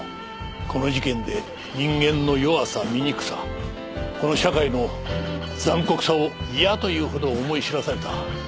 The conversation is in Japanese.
この事件で人間の弱さ醜さこの社会の残酷さを嫌というほど思い知らされた。